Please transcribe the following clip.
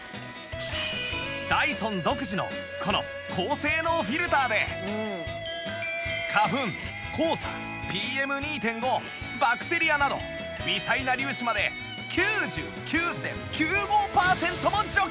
ダイソン独自のこの高性能フィルターで花粉黄砂 ＰＭ２．５ バクテリアなど微細な粒子まで ９９．９５ パーセントも除去！